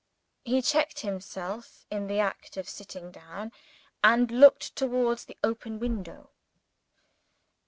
He checked himself in the act of sitting down, and looked towards the open window.